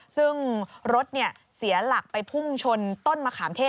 ซึ่งรถเสียหลักไปพุ่งชนต้นมะขามเทศ